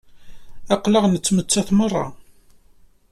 Aql-aɣ nettmettat merra.